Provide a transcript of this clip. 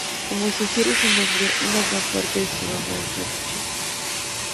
Como sugiere su nombre, una gran parte de su gama está en el Chocó.